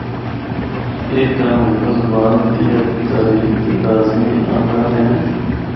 اے کم ہندکو زبان دی ادبی تاریخ دے لازمی آنگا ہن۔